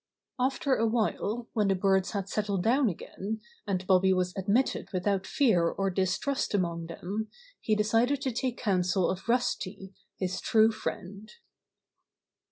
After a while, when the birds had settled down again, and Bobby was admitted without fear or distrust among them, he decided to take council of Rusty, his true friend.